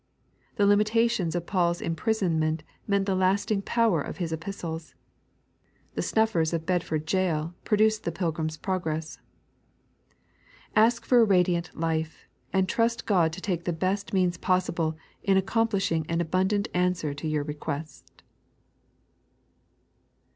The limitations of Paul's imprisonment meant the lasting power of his Epistles. The snuffers of Bedford Gaol produced the " Pilgrim's ProgresB." Ask for a radiant life, and trust Qod to take the best means possible in accomplishing an abundant answer to your request.